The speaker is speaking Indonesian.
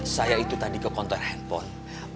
saya itu tadi ke kantor handphone